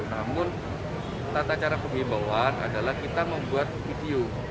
namun tata cara pembimbauan adalah kita membuat video